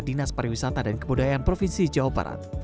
dinas pariwisata dan kebudayaan provinsi jawa barat